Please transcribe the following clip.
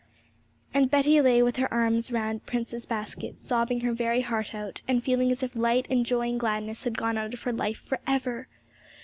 And Betty lay with her arms round Prince's basket, sobbing her very heart out, and feeling as if light and joy and gladness had gone out of her life for ever!